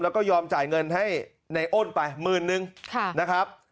แล้วก็ยอมจ่ายเงินให้ในอ้นไปหมื่นนึงนะครับ